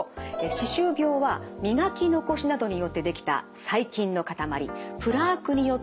歯周病は磨き残しなどによって出来た細菌の塊プラークによって起こります。